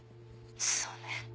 そうね。